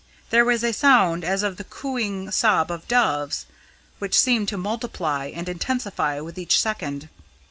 There was a sound as of the cooing sob of doves, which seemed to multiply and intensify with each second.